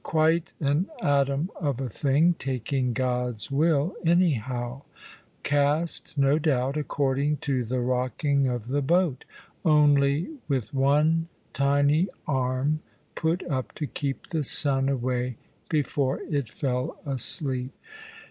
Quite an atom of a thing, taking God's will anyhow; cast, no doubt, according to the rocking of the boat, only with one tiny arm put up to keep the sun away, before it fell asleep.